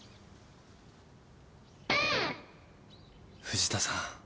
藤田さん。